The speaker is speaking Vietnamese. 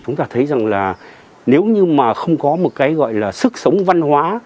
chúng ta thấy rằng là nếu như mà không có một cái gọi là sức sống văn hóa